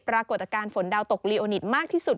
ปรากฏอาการฝนดาวตกลีโอนิตมากที่สุด